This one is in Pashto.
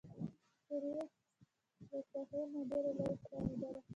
سټریسا له ساحل نه ډېره لیري ښکاریدل.